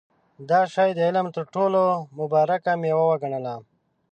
دا شی د علم تر ټولو مبارکه مېوه وګڼله.